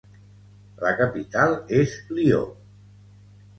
La capital és Lió.